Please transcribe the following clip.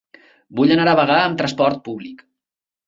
Vull anar a Bagà amb trasport públic.